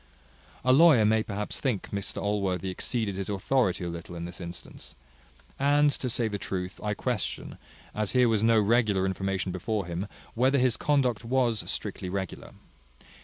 A lawyer may perhaps think Mr Allworthy exceeded his authority a little in this instance. And, to say the truth, I question, as here was no regular information before him, whether his conduct was strictly regular.